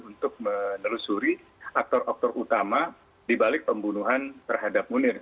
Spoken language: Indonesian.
untuk menelusuri aktor aktor utama dibalik pembunuhan terhadap munir